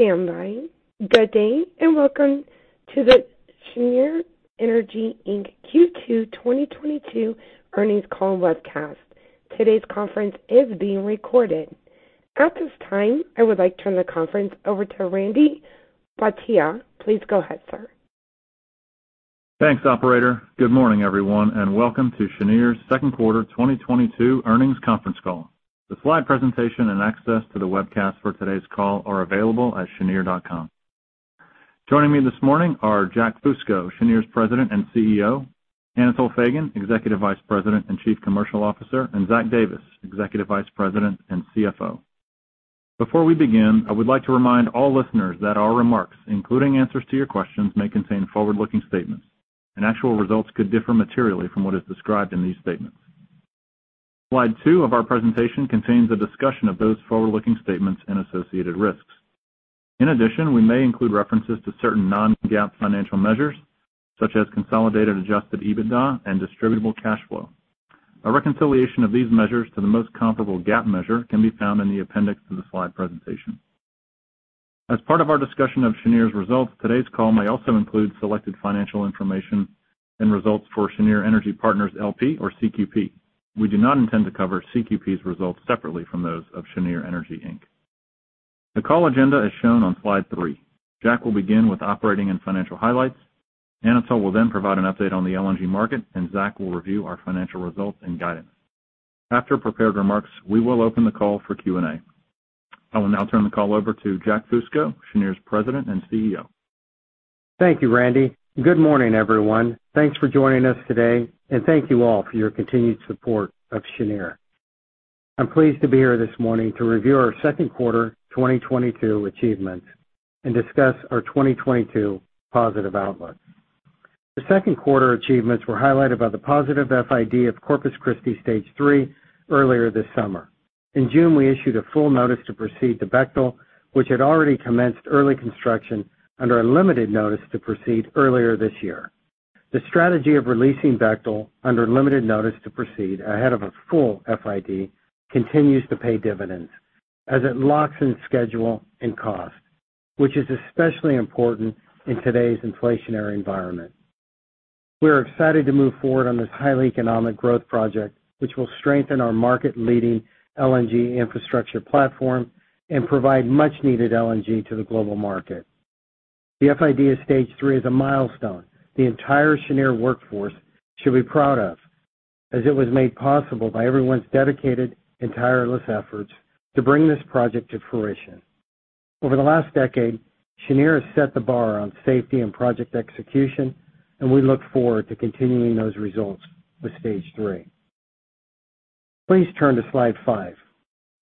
Please stand by. Good day, and welcome to the Cheniere Energy, Inc. Q2 2022 earnings call webcast. Today's conference is being recorded. At this time, I would like to turn the conference over to Randy Bhatia. Please go ahead, sir. Thanks, operator. Good morning, everyone, and welcome to Cheniere's second quarter 2022 earnings conference call. The slide presentation and access to the webcast for today's call are available at cheniere.com. Joining me this morning are Jack Fusco, Cheniere's President and CEO; Anatol Feygin, Executive Vice President and Chief Commercial Officer; and Zach Davis, Executive Vice President and CFO. Before we begin, I would like to remind all listeners that our remarks, including answers to your questions, may contain forward-looking statements, and actual results could differ materially from what is described in these statements. Slide two of our presentation contains a discussion of those forward-looking statements and associated risks. In addition, we may include references to certain non-GAAP financial measures such as consolidated adjusted EBITDA and distributable cash flow. A reconciliation of these measures to the most comparable GAAP measure can be found in the appendix to the slide presentation. As part of our discussion of Cheniere's results, today's call may also include selected financial information and results for Cheniere Energy Partners LP or CQP. We do not intend to cover CQP's results separately from those of Cheniere Energy, Inc. The call agenda is shown on slide three. Jack will begin with operating and financial highlights. Anatol will then provide an update on the LNG market, and Zach will review our financial results and guidance. After prepared remarks, we will open the call for Q&A. I will now turn the call over to Jack Fusco, Cheniere's President and CEO. Thank you, Randy. Good morning, everyone. Thanks for joining us today, and thank you all for your continued support of Cheniere. I'm pleased to be here this morning to review our second quarter 2022 achievements and discuss our 2022 positive outlooks. The second quarter achievements were highlighted by the positive FID of Corpus Christi Stage 3 earlier this summer. In June, we issued a full notice to proceed to Bechtel, which had already commenced early construction under a limited notice to proceed earlier this year. The strategy of releasing Bechtel under limited notice to proceed ahead of a full FID continues to pay dividends as it locks in schedule and cost, which is especially important in today's inflationary environment. We are excited to move forward on this highly economic growth project, which will strengthen our market-leading LNG infrastructure platform and provide much-needed LNG to the global market. The FID of Stage 3 is a milestone the entire Cheniere workforce should be proud of as it was made possible by everyone's dedicated and tireless efforts to bring this project to fruition. Over the last decade, Cheniere has set the bar on safety and project execution, and we look forward to continuing those results with Stage 3. Please turn to slide five,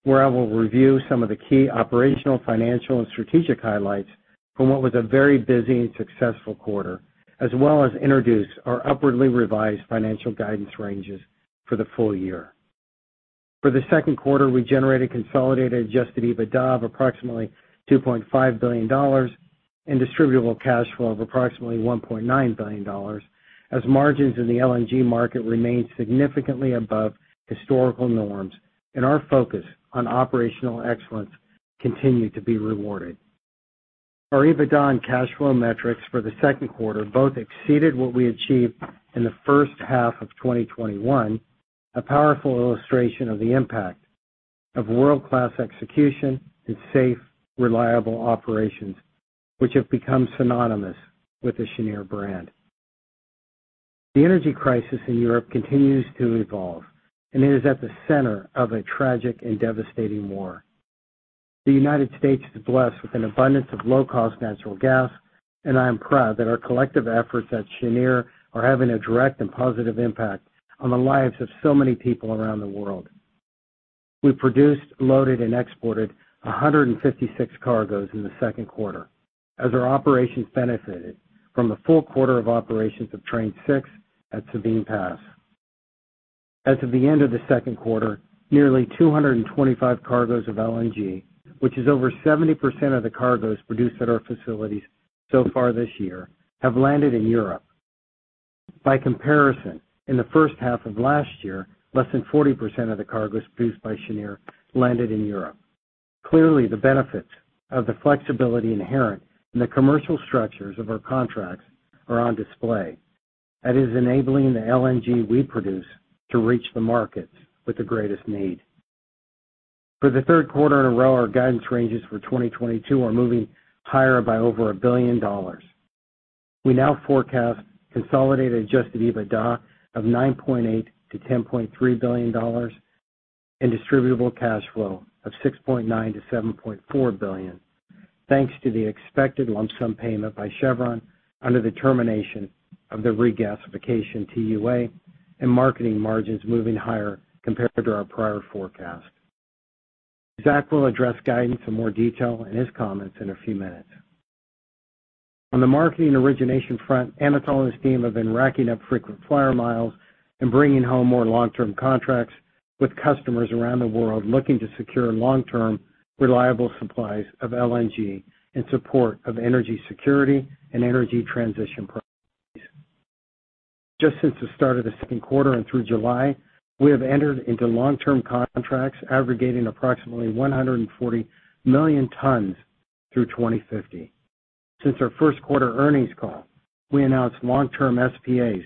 where I will review some of the key operational, financial, and strategic highlights from what was a very busy and successful quarter, as well as introduce our upwardly revised financial guidance ranges for the full year. For the second quarter, we generated consolidated adjusted EBITDA of approximately $2.5 billion and distributable cash flow of approximately $1.9 billion as margins in the LNG market remained significantly above historical norms, and our focus on operational excellence continued to be rewarded. Our EBITDA and cash flow metrics for the second quarter both exceeded what we achieved in the first half of 2021, a powerful illustration of the impact of world-class execution and safe, reliable operations, which have become synonymous with the Cheniere brand. The energy crisis in Europe continues to evolve, and it is at the center of a tragic and devastating war. The United States is blessed with an abundance of low-cost natural gas, and I am proud that our collective efforts at Cheniere are having a direct and positive impact on the lives of so many people around the world. We produced, loaded, and exported 156 cargoes in the second quarter as our operations benefited from a full quarter of operations of Train 6 at Sabine Pass. As of the end of the second quarter, nearly 225 cargoes of LNG, which is over 70% of the cargoes produced at our facilities so far this year, have landed in Europe. By comparison, in the first half of last year, less than 40% of the cargoes produced by Cheniere landed in Europe. Clearly, the benefits of the flexibility inherent in the commercial structures of our contracts are on display. That is enabling the LNG we produce to reach the markets with the greatest need. For the third quarter in a row, our guidance ranges for 2022 are moving higher by over $1 billion. We now forecast consolidated adjusted EBITDA of $9.8 billion-$10.3 billion and distributable cash flow of $6.9 billion-$7.4 billion, thanks to the expected lump sum payment by Chevron under the termination of the regasification TUA and marketing margins moving higher compared to our prior forecast. Zach will address guidance in more detail in his comments in a few minutes. On the origination front, Anatol and his team have been racking up frequent flyer miles and bringing home more long-term contracts with customers around the world looking to secure long-term, reliable supplies of LNG in support of energy security and energy transition programs. Just since the start of the second quarter and through July, we have entered into long-term contracts aggregating approximately 140 million tons through 2050. Since our first quarter earnings call, we announced long-term SPAs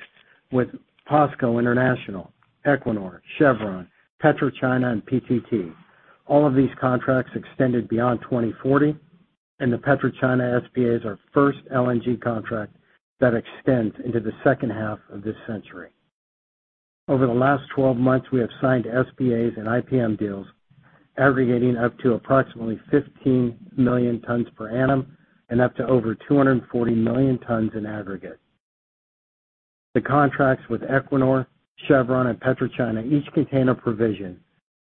with POSCO International, Equinor, Chevron, PetroChina, and PTT. All of these contracts extended beyond 2040, and the PetroChina SPAs is the first LNG contract that extends into the second half of this century. Over the last 12 months, we have signed SPAs and IPM deals aggregating up to approximately 15 million tons per annum and up to over 240 million tons in aggregate. The contracts with Equinor, Chevron, and PetroChina each contain a provision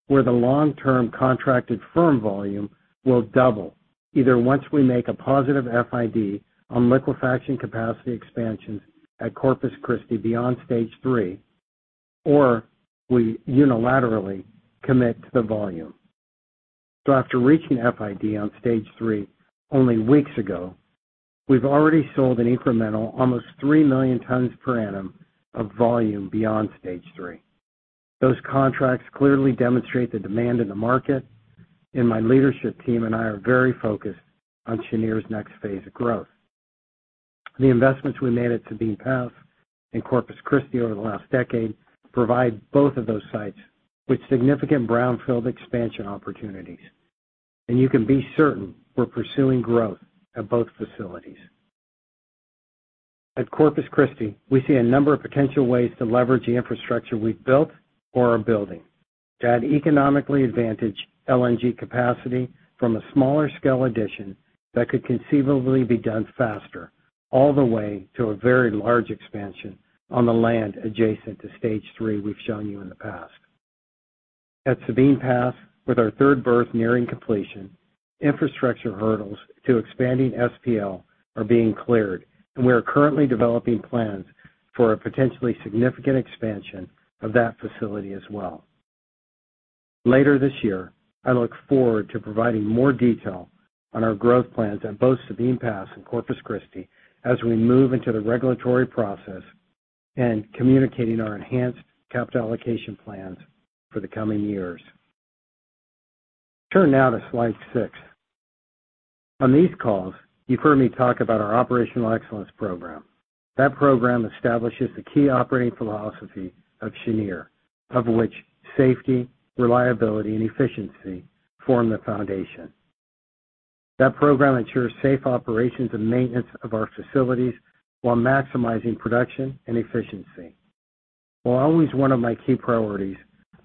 where the long-term contracted firm volume will double either once we make a positive FID on liquefaction capacity expansions at Corpus Christi beyond Stage 3, or we unilaterally commit to the volume. After reaching FID on Stage 3 only weeks ago, we've already sold an incremental almost 3 million tons per annum of volume beyond Stage 3. Those contracts clearly demonstrate the demand in the market, and my leadership team and I are very focused on Cheniere's next phase of growth. The investments we made at Sabine Pass and Corpus Christi over the last decade provide both of those sites with significant brownfield expansion opportunities, and you can be certain we're pursuing growth at both facilities. At Corpus Christi, we see a number of potential ways to leverage the infrastructure we've built or are building to add economically advantaged LNG capacity from a smaller-scale addition that could conceivably be done faster, all the way to a very large expansion on the land adjacent to Stage 3 we've shown you in the past. At Sabine Pass, with our third berth nearing completion, infrastructure hurdles to expanding SPL are being cleared, and we are currently developing plans for a potentially significant expansion of that facility as well. Later this year, I look forward to providing more detail on our growth plans at both Sabine Pass and Corpus Christi as we move into the regulatory process and communicating our enhanced capital allocation plans for the coming years. Turn now to slide six. On these calls, you've heard me talk about our operational excellence program. That program establishes the key operating philosophy of Cheniere, of which safety, reliability, and efficiency form the foundation. That program ensures safe operations and maintenance of our facilities while maximizing production and efficiency. While always one of my key priorities,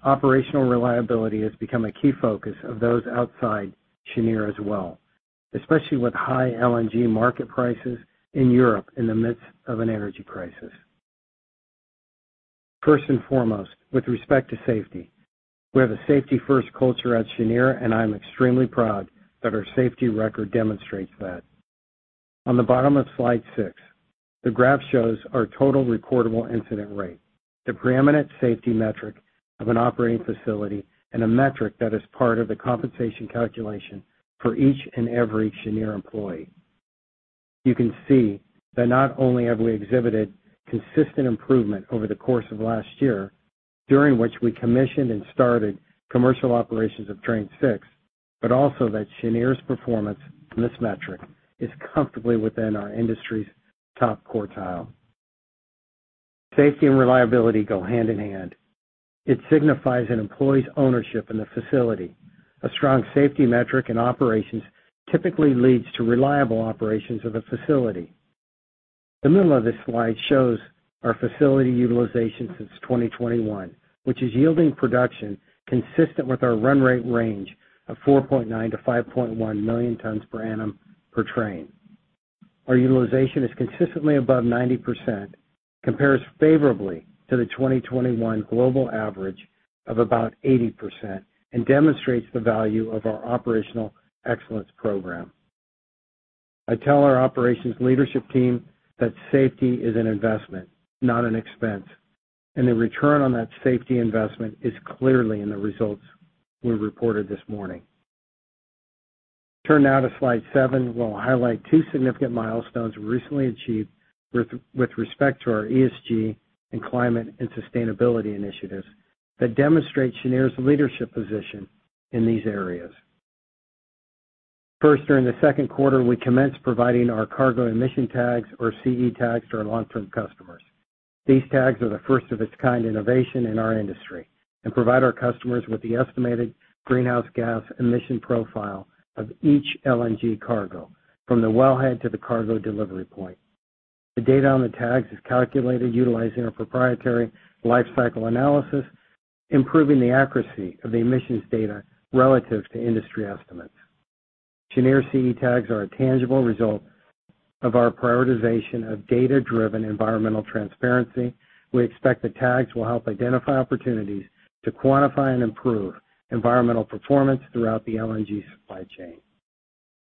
operational reliability has become a key focus of those outside Cheniere as well, especially with high LNG market prices in Europe in the midst of an energy crisis. First and foremost, with respect to safety, we have a safety-first culture at Cheniere, and I am extremely proud that our safety record demonstrates that. On the bottom of slide six, the graph shows our total reportable incident rate, the preeminent safety metric of an operating facility and a metric that is part of the compensation calculation for each and every Cheniere employee. You can see that not only have we exhibited consistent improvement over the course of last year, during which we commissioned and started commercial operations of Train 6, but also that Cheniere's performance in this metric is comfortably within our industry's top quartile. Safety and reliability go hand in hand. It signifies an employee's ownership in the facility. A strong safety metric in operations typically leads to reliable operations of a facility. The middle of this slide shows our facility utilization since 2021, which is yielding production consistent with our run rate range of 4.9 million-5.1 million tons per annum per train. Our utilization is consistently above 90%, compares favorably to the 2021 global average of about 80%, and demonstrates the value of our operational excellence program. I tell our operations leadership team that safety is an investment, not an expense, and the return on that safety investment is clearly in the results we reported this morning. Turn now to slide seven, where I'll highlight two significant milestones recently achieved with respect to our ESG and climate and sustainability initiatives that demonstrate Cheniere's leadership position in these areas. First, during the second quarter, we commenced providing our cargo emission tags or CE Tags to our long-term customers. These tags are the first-of-its-kind innovation in our industry and provide our customers with the estimated greenhouse gas emission profile of each LNG cargo from the wellhead to the cargo delivery point. The data on the tags is calculated utilizing our proprietary life cycle analysis, improving the accuracy of the emissions data relative to industry estimates. Cheniere CE Tags are a tangible result of our prioritization of data-driven environmental transparency. We expect the tags will help identify opportunities to quantify and improve environmental performance throughout the LNG supply chain.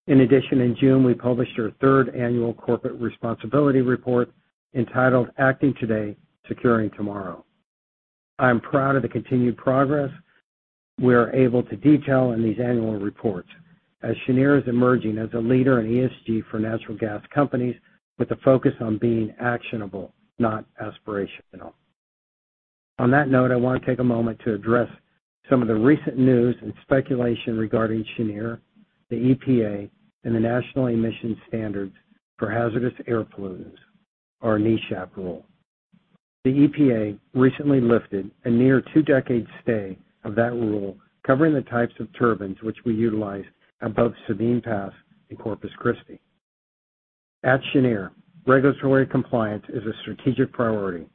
In addition, in June, we published our third annual corporate responsibility report entitled Acting Today, Securing Tomorrow. I am proud of the continued progress we are able to detail in these annual reports as Cheniere is emerging as a leader in ESG for natural gas companies with a focus on being actionable, not aspirational. On that note, I wanna take a moment to address some of the recent news and speculation regarding Cheniere, the EPA, and the National Emission Standards for Hazardous Air Pollutants, or NESHAP rule. The EPA recently lifted a near two-decade stay of that rule covering the types of turbines which we utilize at both Sabine Pass and Corpus Christi. At Cheniere, regulatory compliance is a strategic priority.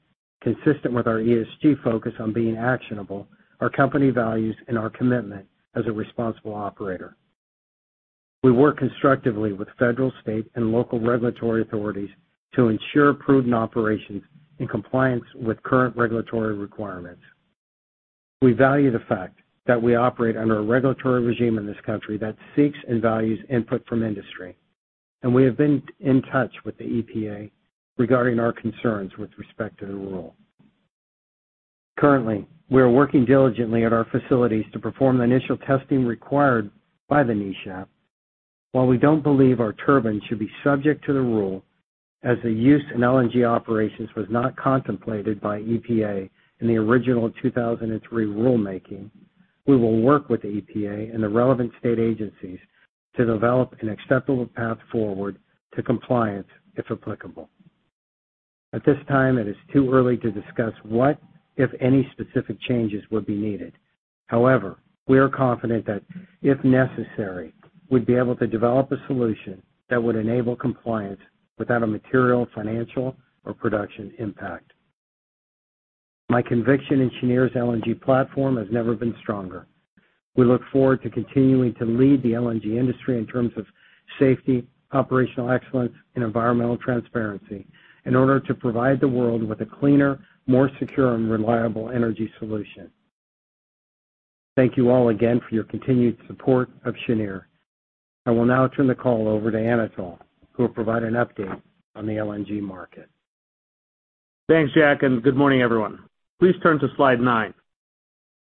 Consistent with our ESG focus on being actionable, our company values and our commitment as a responsible operator. We work constructively with federal, state, and local regulatory authorities to ensure prudent operations in compliance with current regulatory requirements. We value the fact that we operate under a regulatory regime in this country that seeks and values input from industry, and we have been in touch with the EPA regarding our concerns with respect to the rule. Currently, we are working diligently at our facilities to perform the initial testing required by the NESHAP. While we don't believe our turbine should be subject to the rule, as the use in LNG operations was not contemplated by EPA in original 2003 rulemaking, we will work with the EPA and the relevant state agencies to develop an acceptable path forward to compliance, if applicable. At this time, it is too early to discuss what, if any, specific changes would be needed. However, we are confident that, if necessary, we'd be able to develop a solution that would enable compliance without a material financial or production impact. My conviction in Cheniere's LNG platform has never been stronger. We look forward to continuing to lead the LNG industry in terms of safety, operational excellence, and environmental transparency in order to provide the world with a cleaner, more secure and reliable energy solution. Thank you all again for your continued support of Cheniere. I will now turn the call over to Anatol, who will provide an update on the LNG market. Thanks, Jack, and good morning, everyone. Please turn to slide nine.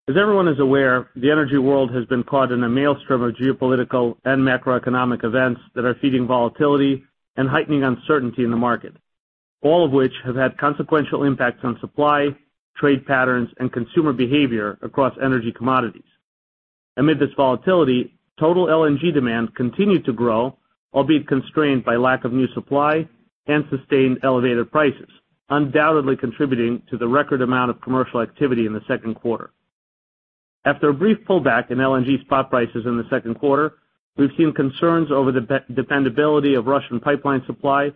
As everyone is aware, the energy world has been caught in a maelstrom of geopolitical and macroeconomic events that are feeding volatility and heightening uncertainty in the market, all of which have had consequential impacts on supply, trade patterns, and consumer behavior across energy commodities. Amid this volatility, total LNG demand continued to grow, albeit constrained by lack of new supply and sustained elevated prices, undoubtedly contributing to the record amount of commercial activity in the second quarter. After a brief pullback in LNG spot prices in the second quarter, we've seen concerns over the dependability of Russian pipeline supply,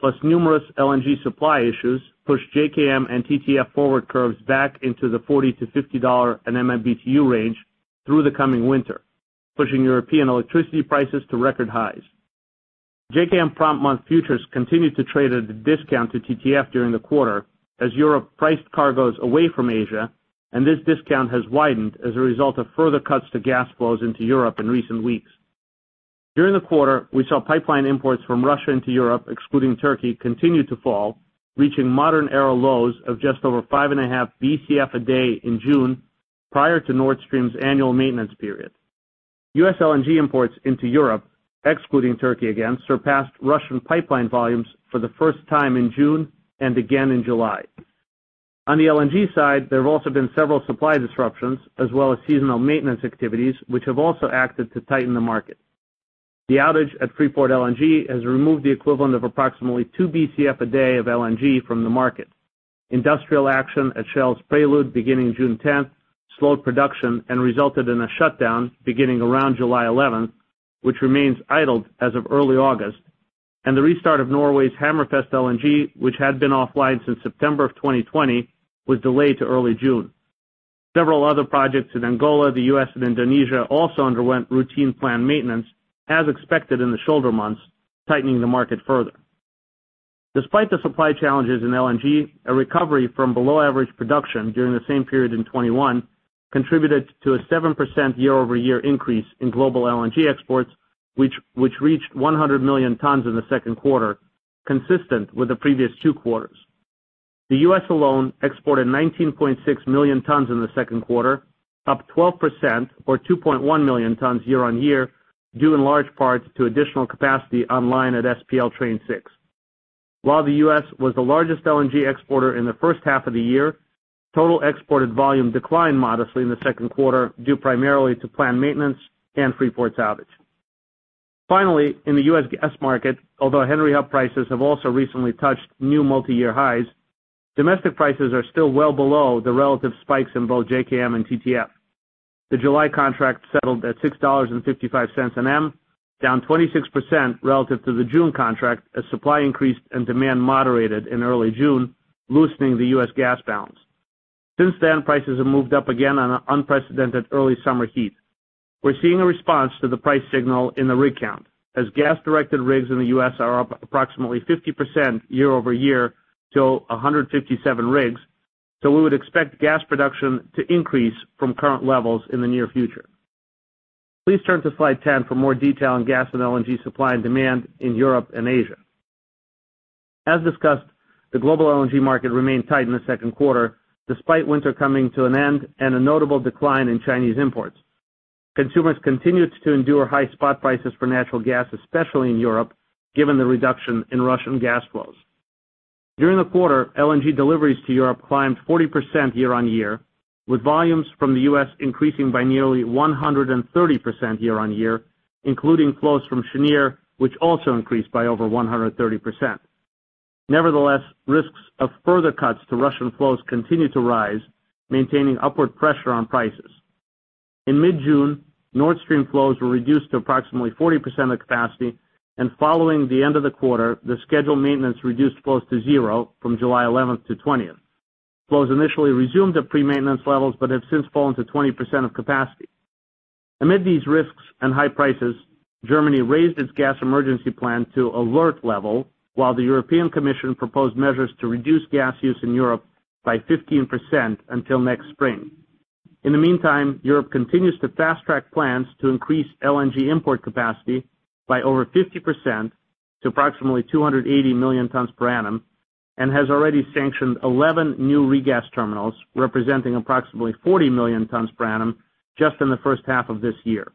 plus numerous LNG supply issues, push JKM and TTF forward curves back into the $40-$50 an MMBtu range through the coming winter, pushing European electricity prices to record highs. JKM prompt month futures continued to trade at a discount to TTF during the quarter as Europe priced cargos away from Asia, and this discount has widened as a result of further cuts to gas flows into Europe in recent weeks. During the quarter, we saw pipeline imports from Russia into Europe, excluding Turkey, continue to fall, reaching modern era lows of just over 5.5 BCF a day in June, prior to Nord Stream's annual maintenance period. US LNG imports into Europe, excluding Turkey again, surpassed Russian pipeline volumes for the first time in June and again in July. On the LNG side, there have also been several supply disruptions as well as seasonal maintenance activities, which have also acted to tighten the market. The outage at Freeport LNG has removed the equivalent of approximately 2 BCF a day of LNG from the market. Industrial action at Shell's Prelude beginning June 10th slowed production and resulted in a shutdown beginning around July 11th, which remains idled as of early August, and the restart of Norway's Hammerfest LNG, which had been offline since September 2020, was delayed to early June. Several other projects in Angola, the U.S., and Indonesia also underwent routine planned maintenance, as expected in the shoulder months, tightening the market further. Despite the supply challenges in LNG, a recovery from below-average production during the same period in 2021 contributed to a 7% year-over-year increase in global LNG exports, which reached 100 million tons in the second quarter, consistent with the previous two quarters. The U.S. alone exported 19.6 million tons in the second quarter, up 12% or 2.1 million tons year-on-year, due in large part to additional capacity online at SPL Train 6. While the U.S. was the largest LNG exporter in the first half of the year, total exported volume declined modestly in the second quarter, due primarily to planned maintenance and Freeport's outage. Finally, in the U.S. gas market, although Henry Hub prices have also recently touched new multiyear highs, domestic prices are still well below the relative spikes in both JKM and TTF. The July contract settled at $6.55/MMBtu, down 26% relative to the June contract as supply increased and demand moderated in early June, loosening the U.S. gas balance. Since then, prices have moved up again on an unprecedented early summer heat. We're seeing a response to the price signal in the rig count, as gas-directed rigs in the U.S. are up approximately 50% year-over-year to 157 rigs, so we would expect gas production to increase from current levels in the near future. Please turn to slide 10 for more detail on gas and LNG supply and demand in Europe and Asia. As discussed, the global LNG market remained tight in the second quarter despite winter coming to an end and a notable decline in Chinese imports. Consumers continued to endure high spot prices for natural gas, especially in Europe, given the reduction in Russian gas flows. During the quarter, LNG deliveries to Europe climbed 40% year-on-year, with volumes from the U.S. increasing by nearly 130% year-on-year, including flows from Cheniere, which also increased by over 130%. Nevertheless, risks of further cuts to Russian flows continue to rise, maintaining upward pressure on prices. In mid-June, Nord Stream flows were reduced to approximately 40% of capacity, and following the end of the quarter, the scheduled maintenance reduced flows to zero from July 11th to 20th. Flows initially resumed at pre-maintenance levels, but have since fallen to 20% of capacity. Amid these risks and high prices, Germany raised its gas emergency plan to alert level, while the European Commission proposed measures to reduce gas use in Europe by 15% until next spring. In the meantime, Europe continues to fast-track plans to increase LNG import capacity by over 50% to approximately 280 million tons per annum, and has already sanctioned 11 new regas terminals, representing approximately 40 million tons per annum just in the first half of this year.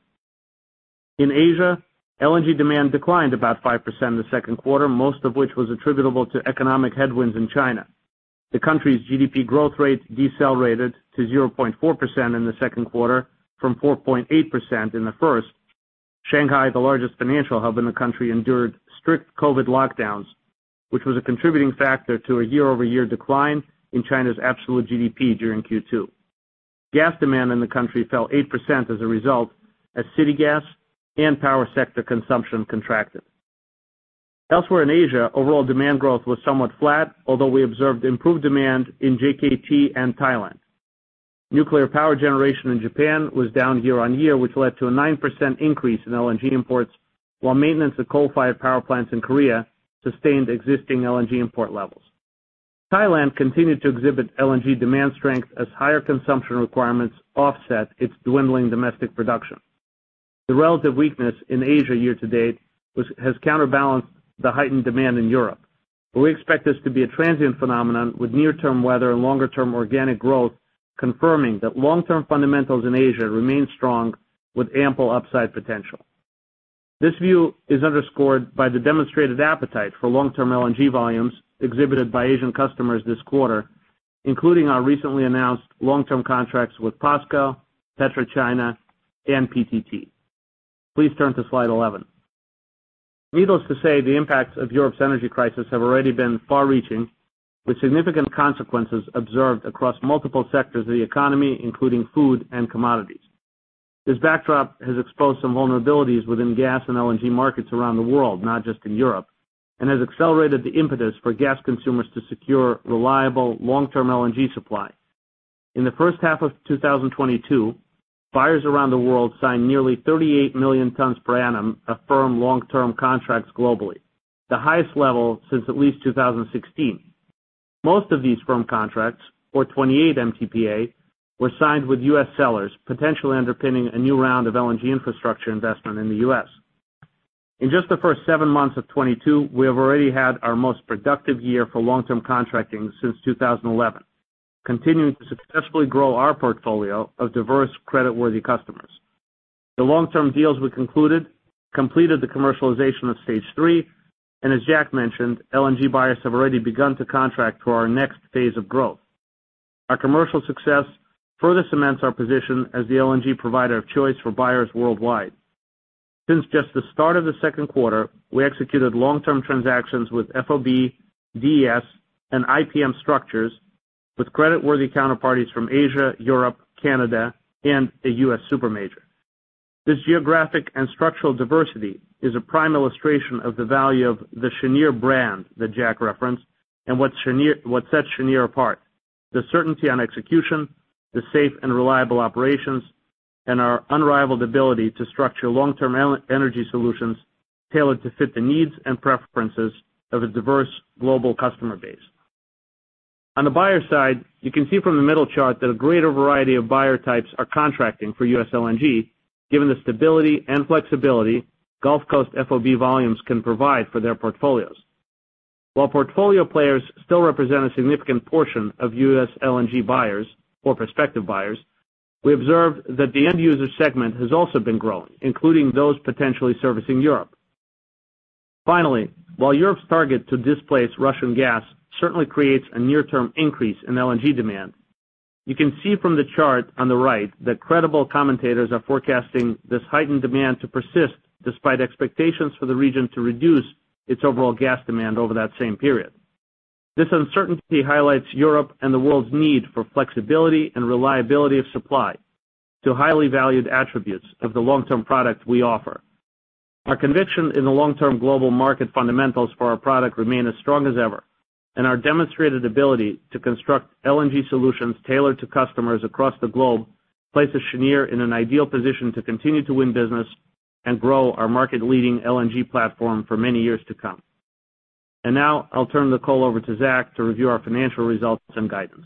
In Asia, LNG demand declined about 5% in the second quarter, most of which was attributable to economic headwinds in China. The country's GDP growth rate decelerated to 0.4% in the second quarter from 4.8% in the first. Shanghai, the largest financial hub in the country, endured strict COVID lockdowns, which was a contributing factor to a year-over-year decline in China's absolute GDP during Q2. Gas demand in the country fell 8% as a result, as city gas and power sector consumption contracted. Elsewhere in Asia, overall demand growth was somewhat flat, although we observed improved demand in JKT and Thailand. Nuclear power generation in Japan was down year-on-year, which led to a 9% increase in LNG imports, while maintenance of coal-fired power plants in Korea sustained existing LNG import levels. Thailand continued to exhibit LNG demand strength as higher consumption requirements offset its dwindling domestic production. The relative weakness in Asia year-to-date has counterbalanced the heightened demand in Europe. We expect this to be a transient phenomenon, with near-term weather and longer-term organic growth confirming that long-term fundamentals in Asia remain strong with ample upside potential. This view is underscored by the demonstrated appetite for long-term LNG volumes exhibited by Asian customers this quarter, including our recently announced long-term contracts with POSCO, PetroChina, and PTT. Please turn to slide 11. Needless to say, the impacts of Europe's energy crisis have already been far-reaching, with significant consequences observed across multiple sectors of the economy, including food and commodities. This backdrop has exposed some vulnerabilities within gas and LNG markets around the world, not just in Europe, and has accelerated the impetus for gas consumers to secure reliable long-term LNG supply. In the first half of 2022, buyers around the world signed nearly 38 million tons per annum of firm long-term contracts globally, the highest level since at least 2016. Most of these firm contracts, or 28 MTPA, were signed with U.S. sellers, potentially underpinning a new round of LNG infrastructure investment in the U.S. In just the first seven months of 2022, we have already had our most productive year for long-term contracting since 2011, continuing to successfully grow our portfolio of diverse creditworthy customers. The long-term deals we concluded completed the commercialization of Stage 3, and as Jack mentioned, LNG buyers have already begun to contract for our next phase of growth. Our commercial success further cements our position as the LNG provider of choice for buyers worldwide. Since just the start of the second quarter, we executed long-term transactions with FOB, DES, and IPM structures with creditworthy counterparties from Asia, Europe, Canada, and a U.S. super major. This geographic and structural diversity is a prime illustration of the value of the Cheniere brand that Jack referenced and what sets Cheniere apart. The certainty on execution, the safe and reliable operations, and our unrivaled ability to structure long-term energy solutions tailored to fit the needs and preferences of a diverse global customer base. On the buyer side, you can see from the middle chart that a greater variety of buyer types are contracting for U.S. LNG, given the stability and flexibility Gulf Coast FOB volumes can provide for their portfolios. While portfolio players still represent a significant portion of U.S. LNG buyers or prospective buyers, we observe that the end user segment has also been growing, including those potentially servicing Europe. Finally, while Europe's target to displace Russian gas certainly creates a near-term increase in LNG demand, you can see from the chart on the right that credible commentators are forecasting this heightened demand to persist despite expectations for the region to reduce its overall gas demand over that same period. This uncertainty highlights Europe and the world's need for flexibility and reliability of supply, two highly valued attributes of the long-term product we offer. Our conviction in the long-term global market fundamentals for our product remain as strong as ever, and our demonstrated ability to construct LNG solutions tailored to customers across the globe places Cheniere in an ideal position to continue to win business and grow our market-leading LNG platform for many years to come. Now I'll turn the call over to Zach to review our financial results and guidance.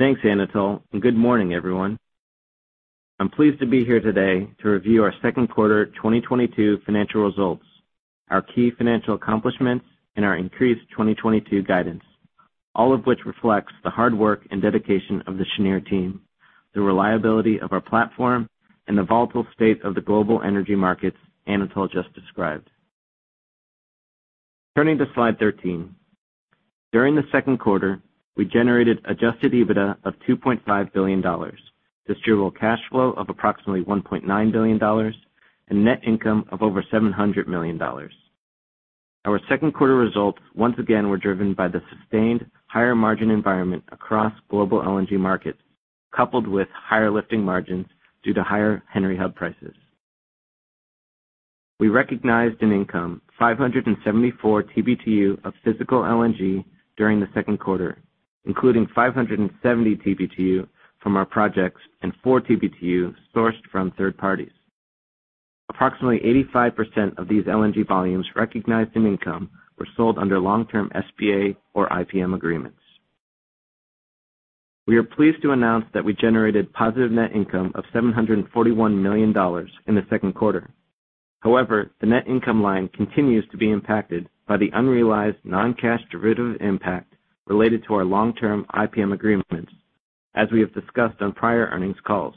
Thanks, Anatol, and good morning, everyone. I'm pleased to be here today to review our second quarter 2022 financial results, our key financial accomplishments, and our increased 2022 guidance. All of which reflects the hard work and dedication of the Cheniere team, the reliability of our platform, and the volatile state of the global energy markets Anatol just described. Turning to slide 13. During the second quarter, we generated adjusted EBITDA of $2.5 billion, distributable cash flow of approximately $1.9 billion, and net income of over $700 million. Our second quarter results once again were driven by the sustained higher margin environment across global LNG markets, coupled with higher lifting margins due to higher Henry Hub prices. We recognized in income 574 TBtu of physical LNG during the second quarter, including 570 TBtu from our projects and 4 TBtu sourced from third parties. Approximately 85% of these LNG volumes recognized in income were sold under long-term SPA or IPM agreements. We are pleased to announce that we generated positive net income of $741 million in the second quarter. However, the net income line continues to be impacted by the unrealized non-cash derivative impact related to our long-term IPM agreements, as we have discussed on prior earnings calls.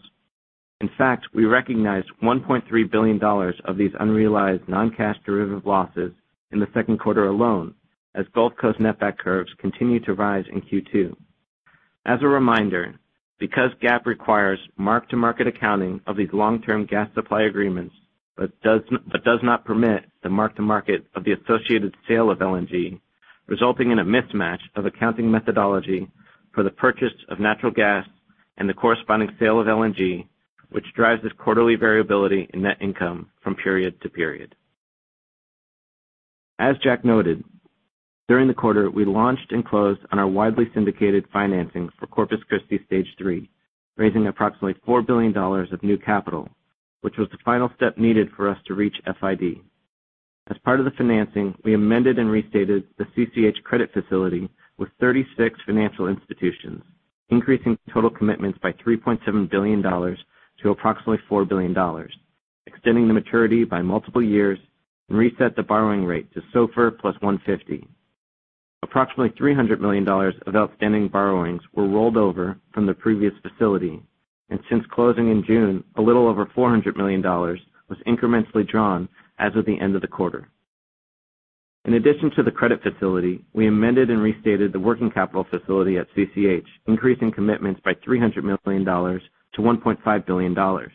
In fact, we recognized $1.3 billion of these unrealized non-cash derivative losses in the second quarter alone as Gulf Coast netback curves continued to rise in Q2. As a reminder, because GAAP requires mark-to-market accounting of these long-term gas supply agreements, but does not permit the mark-to-market of the associated sale of LNG, resulting in a mismatch of accounting methodology for the purchase of natural gas and the corresponding sale of LNG, which drives this quarterly variability in net income from period to period. As Jack noted, during the quarter, we launched and closed on our widely syndicated financing for Corpus Christi Stage 3, raising approximately $4 billion of new capital, which was the final step needed for us to reach FID. As part of the financing, we amended and restated the CCH credit facility with 36 financial institutions, increasing total commitments by $3.7 billion to approximately $4 billion, extending the maturity by multiple years and reset the borrowing rate to SOFR plus 150. Approximately $300 million of outstanding borrowings were rolled over from the previous facility, and since closing in June, a little over $400 million was incrementally drawn as of the end of the quarter. In addition to the credit facility, we amended and restated the working capital facility at CCH, increasing commitments by $300 million to $1.5 billion,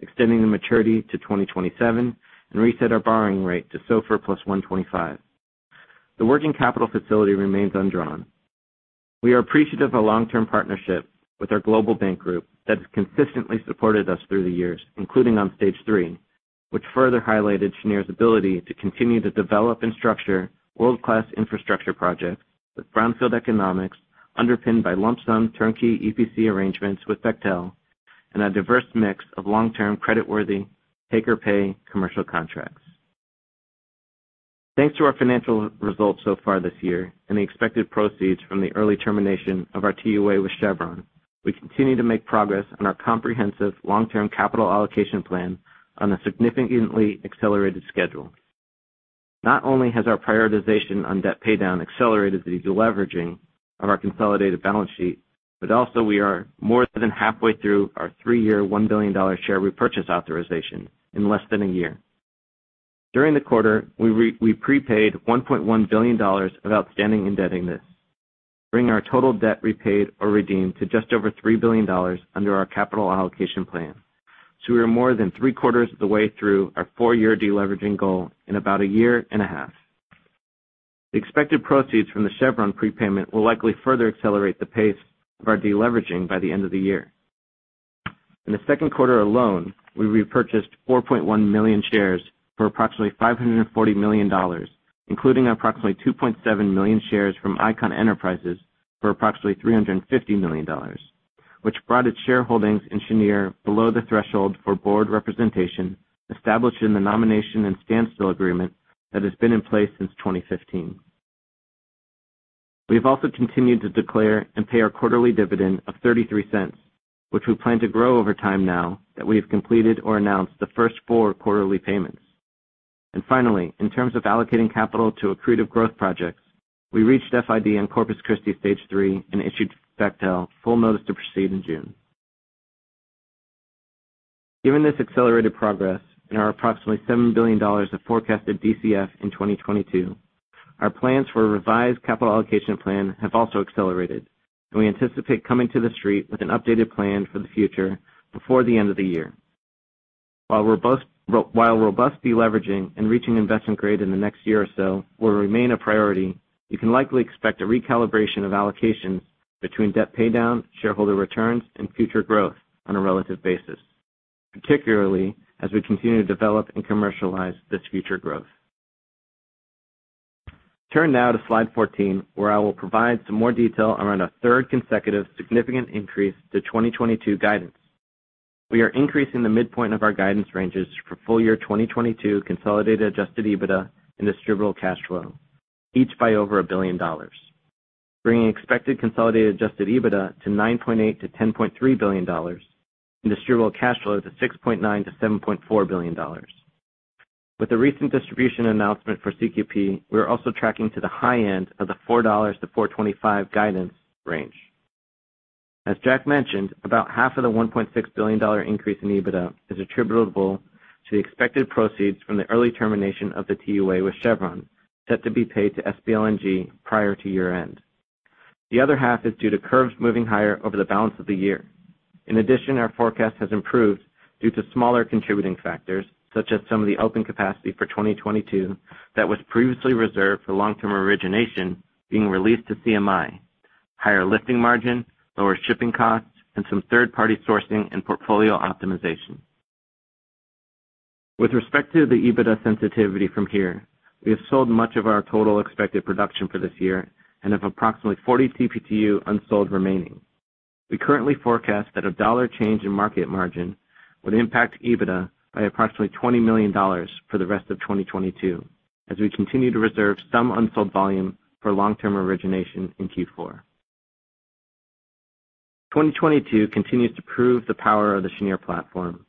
extending the maturity to 2027, and reset our borrowing rate to SOFR plus 125. The working capital facility remains undrawn. We are appreciative of the long-term partnership with our global bank group that has consistently supported us through the years, including on Stage 3, which further highlighted Cheniere's ability to continue to develop and structure world-class infrastructure projects with brownfield economics underpinned by lump sum turnkey EPC arrangements with Bechtel and a diverse mix of long-term creditworthy take-or-pay commercial contracts. Thanks to our financial results so far this year and the expected proceeds from the early termination of our TUA with Chevron, we continue to make progress on our comprehensive long-term capital allocation plan on a significantly accelerated schedule. Not only has our prioritization on debt paydown accelerated the deleveraging of our consolidated balance sheet, but also we are more than halfway through our three-year, $1 billion share repurchase authorization in less than a year. During the quarter, we prepaid $1.1 billion of outstanding indebtedness, bringing our total debt repaid or redeemed to just over $3 billion under our capital allocation plan. We are more than three-quarters of the way through our four-year deleveraging goal in about a year and a half. The expected proceeds from the Chevron prepayment will likely further accelerate the pace of our deleveraging by the end of the year. In the second quarter alone, we repurchased 4.1 million shares for approximately $540 million, including approximately 2.7 million shares from Icahn Enterprises for approximately $350 million, which brought its shareholdings in Cheniere below the threshold for board representation established in the nomination and standstill agreement that has been in place since 2015. We have also continued to declare and pay our quarterly dividend of $0.33, which we plan to grow over time now that we have completed or announced the first four quarterly payments. Finally, in terms of allocating capital to accretive growth projects, we reached FID in Corpus Christi Stage 3 and issued Bechtel full notice to proceed in June. Given this accelerated progress and our approximately $7 billion of forecasted DCF in 2022, our plans for a revised capital allocation plan have also accelerated, and we anticipate coming to the street with an updated plan for the future before the end of the year. While robust deleveraging and reaching investment grade in the next year or so will remain a priority, you can likely expect a recalibration of allocations between debt paydown, shareholder returns, and future growth on a relative basis, particularly as we continue to develop and commercialize this future growth. Turn now to slide 14, where I will provide some more detail around our third consecutive significant increase to 2022 guidance. We are increasing the midpoint of our guidance ranges for full-year 2022 consolidated adjusted EBITDA and distributable cash flow, each by over $1 billion, bringing expected consolidated adjusted EBITDA to $9.8 billion-$10.3 billion and distributable cash flow to $6.9 billion-$7.4 billion. With the recent distribution announcement for CQP, we are also tracking to the high end of the $4-$4.25 guidance range. As Jack mentioned, about half of the $1.6 billion increase in EBITDA is attributable to the expected proceeds from the early termination of the TUA with Chevron, set to be paid to SBLNG prior to year-end. The other half is due to curves moving higher over the balance of the year. In addition, our forecast has improved due to smaller contributing factors, such as some of the open capacity for 2022 that was previously reserved for origination being released to CMI, higher lifting margin, lower shipping costs, and some third-party sourcing and portfolio optimization. With respect to the EBITDA sensitivity from here, we have sold much of our total expected production for this year and have approximately 40 TBtu unsold remaining. We currently forecast that a $1 change in market margin would impact EBITDA by approximately $20 million for the rest of 2022 as we continue to reserve some unsold volume for origination in Q4. 2022 continues to prove the power of the Cheniere platform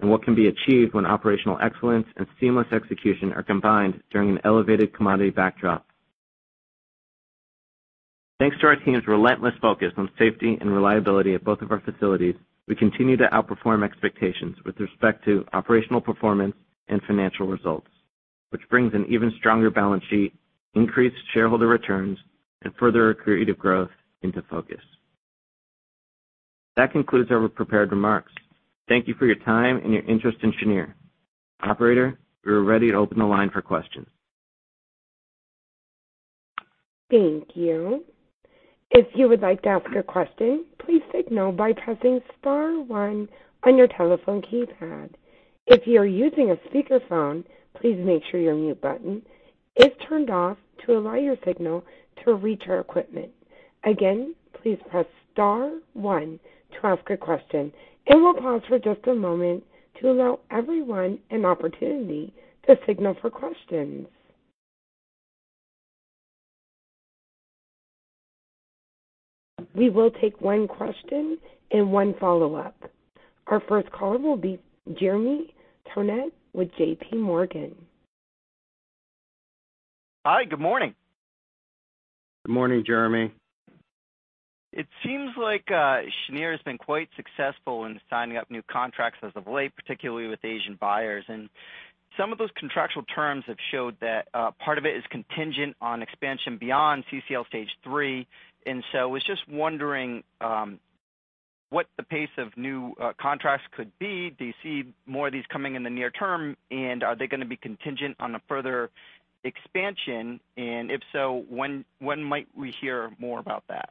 and what can be achieved when operational excellence and seamless execution are combined during an elevated commodity backdrop. Thanks to our team's relentless focus on safety and reliability at both of our facilities, we continue to outperform expectations with respect to operational performance and financial results, which brings an even stronger balance sheet, increased shareholder returns, and further accretive growth into focus. That concludes our prepared remarks. Thank you for your time and your interest in Cheniere. Operator, we are ready to open the line for questions. Thank you. If you would like to ask a question, please signal by pressing star one on your telephone keypad. If you are using a speakerphone, please make sure your mute button is turned off to allow your signal to reach our equipment. Again, please press star one to ask a question, and we'll pause for just a moment to allow everyone an opportunity to signal for questions. We will take one question and one follow-up. Our first caller will be Jeremy Tonet with JPMorgan. Hi, good morning. Good morning, Jeremy. It seems like Cheniere has been quite successful in signing up new contracts as of late, particularly with Asian buyers. Some of those contractual terms have showed that part of it is contingent on expansion beyond CCL Stage 3. I was just wondering what the pace of new contracts could be. Do you see more of these coming in the near term, and are they gonna be contingent on a further expansion? If so, when might we hear more about that?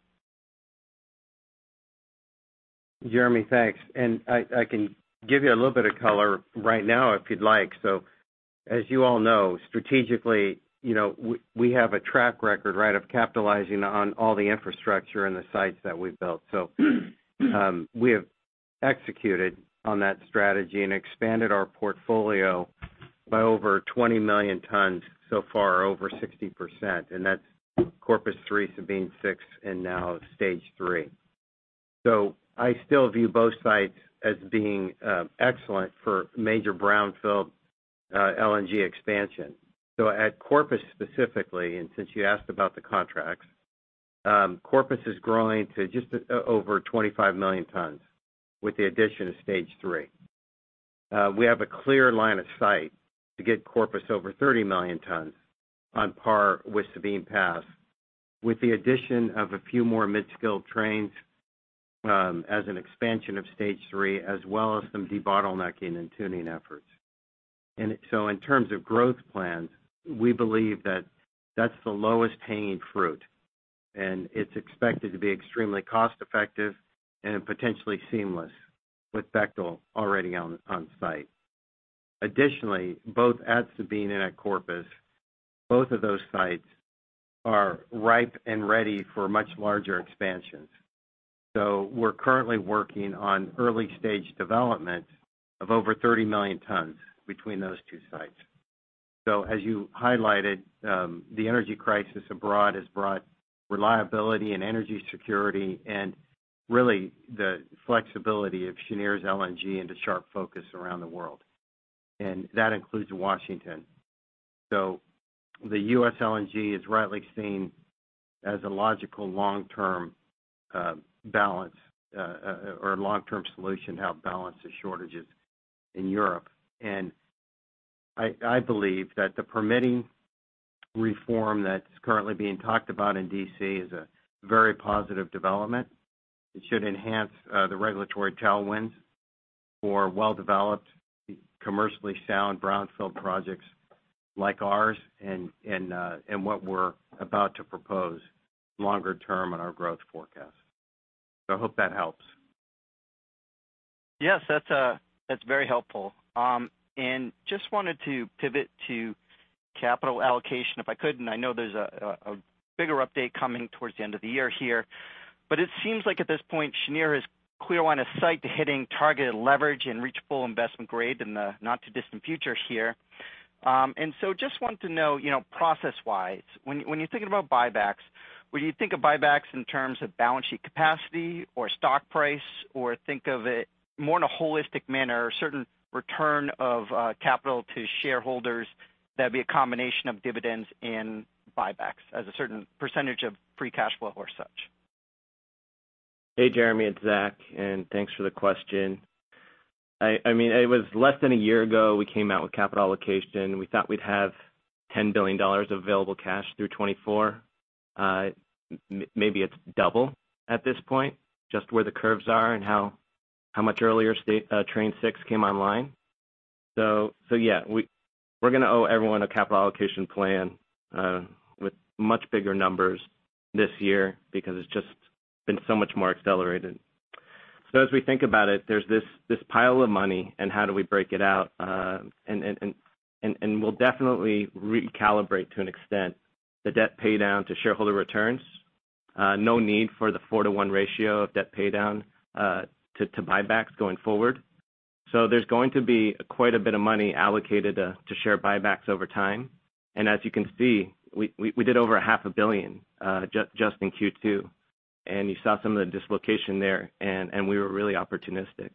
Jeremy, thanks. I can give you a little bit of color right now if you'd like. As you all know, strategically, you know, we have a track record, right, of capitalizing on all the infrastructure and the sites that we've built. We have executed on that strategy and expanded our portfolio by over 20 million tons so far, over 60%. That's Corpus 3, Sabine 6, and now Stage 3. I still view both sites as being excellent for major brownfield LNG expansion. At Corpus specifically, and since you asked about the contracts, Corpus is growing to just over 25 million tons with the addition of Stage 3. We have a clear line of sight to get Corpus over 30 million tons on par with Sabine Pass, with the addition of a few more mid-scale trains, as an expansion of Stage 3, as well as some debottlenecking and tuning efforts. In terms of growth plans, we believe that that's the lowest hanging fruit, and it's expected to be extremely cost-effective and potentially seamless with Bechtel already on site. Additionally, both at Sabine and at Corpus, both of those sites are ripe and ready for much larger expansions. We're currently working on early-stage development of over 30 million tons between those two sites. As you highlighted, the energy crisis abroad has brought reliability and energy security and really the flexibility of Cheniere's LNG into sharp focus around the world, and that includes Washington. The U.S. LNG is rightly seen as a logical long-term solution to help balance the shortages in Europe. I believe that the permitting reform that's currently being talked about in D.C. is a very positive development. It should enhance the regulatory tailwinds for well-developed, commercially sound brownfield projects like ours and what we're about to propose longer term in our growth forecast. I hope that helps. Yes, that's very helpful. Just wanted to pivot to capital allocation, if I could, and I know there's a bigger update coming towards the end of the year here. It seems like at this point, Cheniere is clear on its sights set on hitting targeted leverage and reach full investment grade in the not-too-distant future here. So just want to know, you know, process-wise, when you're thinking about buybacks, would you think of buybacks in terms of balance sheet capacity or stock price, or think of it more in a holistic manner, a certain return of capital to shareholders that'd be a combination of dividends and buybacks as a certain percentage of free cash flow or such? Hey, Jeremy, it's Zach. Thanks for the question. I mean, it was less than a year ago, we came out with capital allocation. We thought we'd have $10 billion of available cash through 2024. Maybe it's double at this point, just where the curves are and how much earlier Train 6 came online. Yeah, we're gonna owe everyone a capital allocation plan with much bigger numbers this year because it's just been so much more accelerated. As we think about it, there's this pile of money and how do we break it out? We'll definitely recalibrate, to an extent, the debt pay down to shareholder returns. No need for the 4:1 ratio of debt pay down to buybacks going forward. There's going to be quite a bit of money allocated to share buybacks over time. As you can see, we did over $500 million just in Q2. You saw some of the dislocation there, and we were really opportunistic.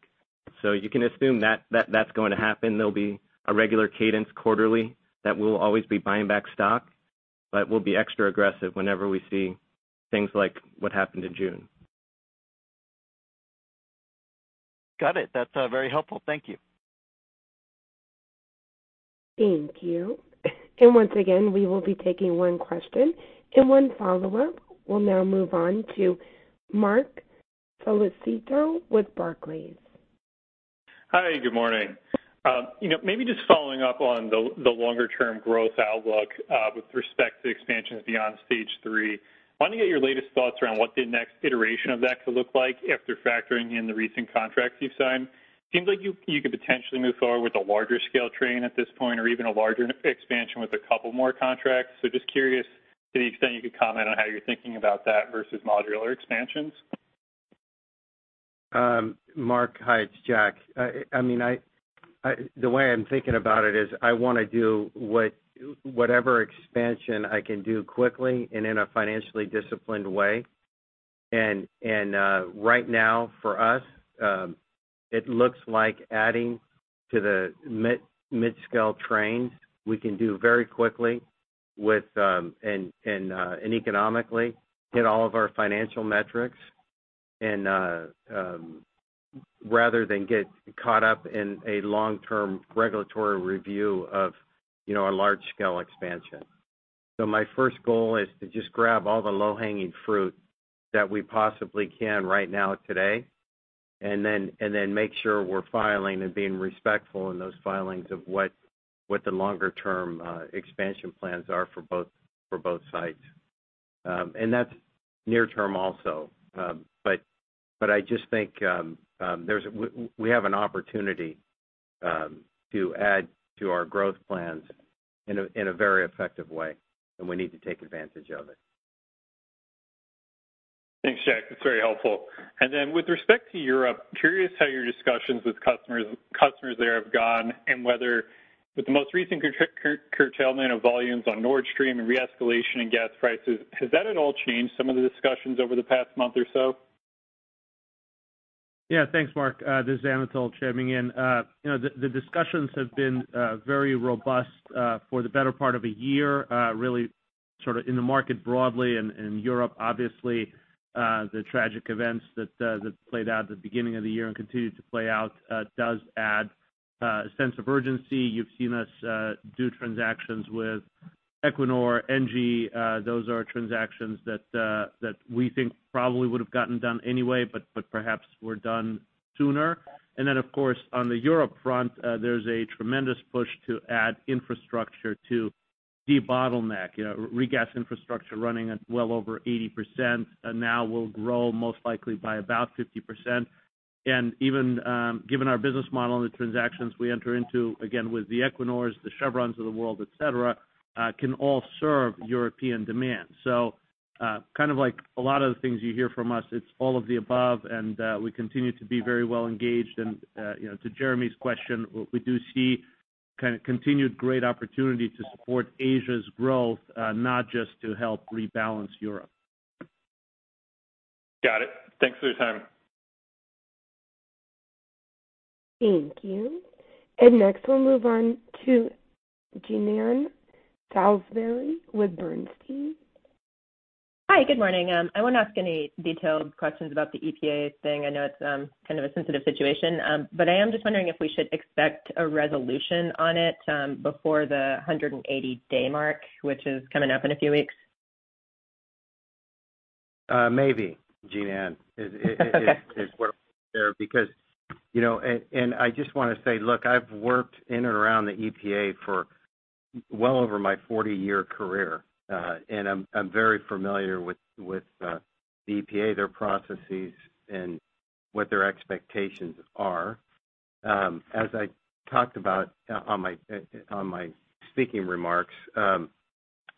You can assume that that's going to happen. There'll be a regular cadence quarterly that we'll always be buying back stock, but we'll be extra aggressive whenever we see things like what happened in June. Got it. That's very helpful. Thank you. Thank you. Once again, we will be taking one question and one follow-up. We'll now move on to Marc Solecitto with Barclays. Hi, good morning. You know, maybe just following up on the longer-term growth outlook with respect to expansions beyond Stage 3. Wanted to get your latest thoughts around what the next iteration of that could look like after factoring in the recent contracts you've signed. Seems like you could potentially move forward with a larger scale train at this point or even a larger expansion with a couple more contracts. Just curious to the extent you could comment on how you're thinking about that versus modular expansions. Marc, hi, it's Jack. I mean, the way I'm thinking about it is I wanna do whatever expansion I can do quickly and in a financially disciplined way. Right now for us, it looks like adding to the mid-scale trains we can do very quickly with and economically hit all of our financial metrics and rather than get caught up in a long-term regulatory review of, you know, a large-scale expansion. My first goal is to just grab all the low-hanging fruit that we possibly can right now today, and then make sure we're filing and being respectful in those filings of what the longer-term expansion plans are for both sites. And that's near term also. I just think we have an opportunity to add to our growth plans in a very effective way, and we need to take advantage of it. Thanks, Jack. That's very helpful. With respect to Europe, curious how your discussions with customers there have gone and whether with the most recent curtailment of volumes on Nord Stream and re-escalation in gas prices, has that at all changed some of the discussions over the past month or so? Yeah. Thanks, Marc. This is Anatol chiming in. You know, the discussions have been very robust for the better part of a year, really sort of in the market broadly and in Europe. Obviously, the tragic events that played out at the beginning of the year and continue to play out does add a sense of urgency. You've seen us do transactions with Equinor, Engie. Those are transactions that we think probably would've gotten done anyway but perhaps were done sooner. Then, of course, on the Europe front, there's a tremendous push to add infrastructure to de-bottleneck. You know, regas infrastructure running at well over 80% now will grow most likely by about 50%. Even given our business model and the transactions we enter into, again, with the Equinors, the Chevrons of the world, et cetera, can all serve European demand. Kind of like a lot of the things you hear from us, it's all of the above, and we continue to be very well engaged. You know, to Jeremy's question, we do see kind of continued great opportunity to support Asia's growth, not just to help rebalance Europe. Got it. Thanks for your time. Thank you. Next, we'll move on to Jean Ann Salisbury with Bernstein. Hi, good morning. I won't ask any detailed questions about the EPA thing. I know it's kind of a sensitive situation. I am just wondering if we should expect a resolution on it before the 180-day mark, which is coming up in a few weeks. Maybe, Jean Ann. I just wanna say, look, I've worked in and around the EPA for well over my 40-year career. I'm very familiar with the EPA, their processes and what their expectations are. As I talked about on my speaking remarks,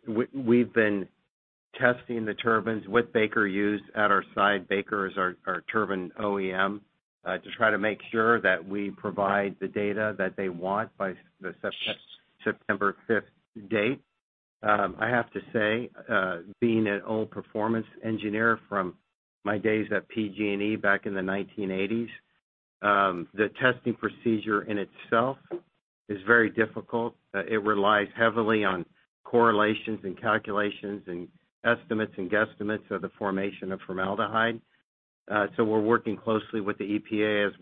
we've been testing the turbines with Baker Hughes at our site. Baker is our turbine OEM, to try to make sure that we provide the data that they want by the September 5th date. I have to say, being an old performance engineer from my days at PG&E back in the 1980s, the testing procedure in itself is very difficult. It relies heavily on correlations and calculations and estimates and guesstimates of the formation of formaldehyde. We're working closely with the EPA